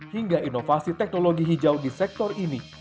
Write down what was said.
hingga inovasi teknologi hijau di sektor ini